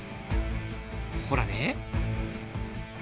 ほらね。